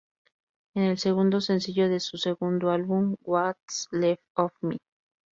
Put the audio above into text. Es el segundo sencillo de su segundo álbum, What's Left of Me.